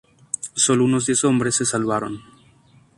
Sólo unos diez hombres se salvaron.